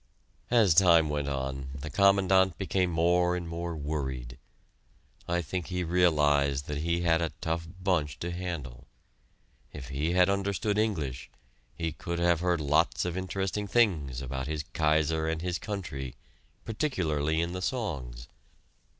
As time went on, the Commandant became more and more worried. I think he realized that he had a tough bunch to handle. If he had understood English, he could have heard lots of interesting things about his Kaiser and his country particularly in the songs.